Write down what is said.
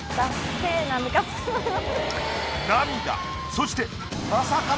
そして。